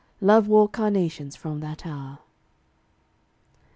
Love wore carnations from that hour.